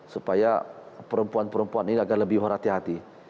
supaya perempuan perempuan ini agar lebih berhati hati